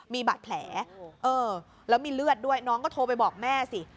มีบาดแผลเออแล้วมีเลือดด้วยน้องก็โทรไปบอกแม่สิ